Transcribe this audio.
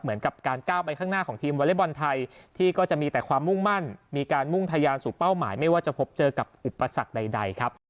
เหมือนกับการก้าวไปข้างหน้าของทีมวอเล็กบอลไทยที่ก็จะมีแต่ความมุ่งมั่นมีการมุ่งทะยานสู่เป้าหมายไม่ว่าจะพบเจอกับอุปสรรคใดครับ